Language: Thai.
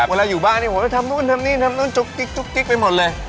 เวลาอยู่บ้านนี่โหไปทำนู่นทำนี่ทำนู่นจุ๊กกิ๊กจุ๊กกิ๊กไปหมดเลย